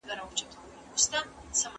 د الزابت زمانه یو تاریخي پړاو و.